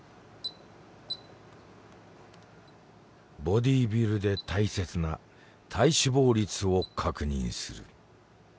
ボディビルで大切な体脂肪率を確認する。